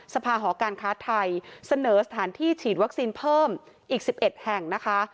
ภาหอการค้าไทยเสนอสถานที่ฉีดวัคซีนเพิ่มอีก๑๑แห่งนะคะ